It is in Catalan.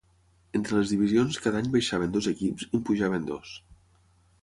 Entre les divisions cada any baixaven dos equips i en pujaven dos.